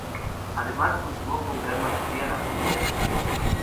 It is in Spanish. Además, cultivó con gran maestría la poesía satírica.